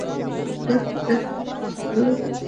দেখতে ভালো লাগছে না!